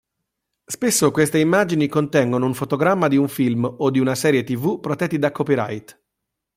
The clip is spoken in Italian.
Spesso queste immagini contengono un fotogramma di un film o di una serie TV protetti da copyright.